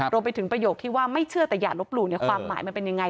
ประโยคที่ว่าไม่เชื่อแต่อย่าลบหลู่ความหมายมันเป็นยังไง